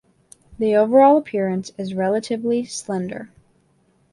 The overall appearance is relatively slender.